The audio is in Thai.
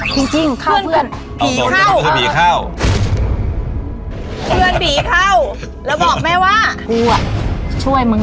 ครูจริงเข้าเพื่อน